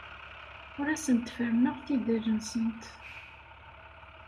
Ur asent-ferrneɣ tidal-nsent.